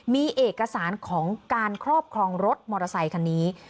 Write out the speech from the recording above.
มีเอกสารของการครอบครองรถมอเตอร์ไซคันนี้